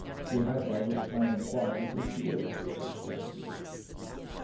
He had by this time acquired a good deal of the Erse language.